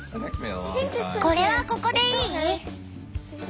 これはここでいい？